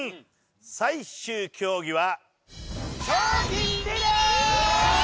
最終競技は。